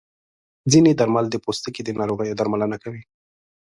ځینې درمل د پوستکي د ناروغیو درملنه کوي.